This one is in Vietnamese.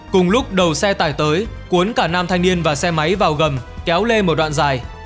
cùng lúc đầu xe tải tới cuốn cả nam thanh niên và xe máy vào gầm kéo lê một đoạn dài